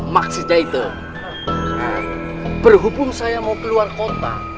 maksudnya itu berhubung saya mau keluar kota